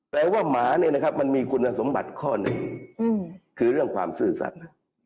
แปลว่าหมามันมีคุณสมบัติข้อหนึ่งคือเรื่องความสื่อสัตว์